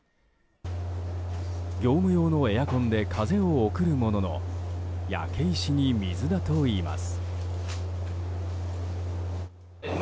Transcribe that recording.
業務用のエアコンで風を送るものの焼け石に水だといいます。